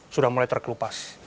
sudah mulai terkelupas